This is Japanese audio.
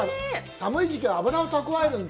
寒い時期は脂を蓄えるんだ？